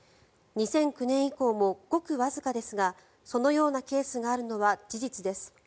２００９年以降もごくわずかですがそのようなケースがあるのは事実です。